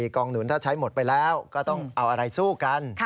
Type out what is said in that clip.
กองหนุนถ้าใช้หมดไปแล้วก็ต้องเอาอะไรสู้กัน